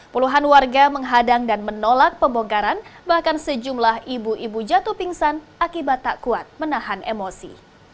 puluhan warga menghadang dan menolak pembongkaran bahkan sejumlah ibu ibu jatuh pingsan akibat tak kuat menahan emosi